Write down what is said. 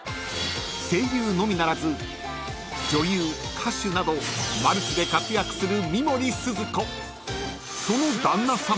［声優のみならず女優歌手などマルチで活躍する］